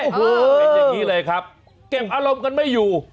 เป็นอย่างนี้เลยครับเก็บอารมณ์กันไม่อยู่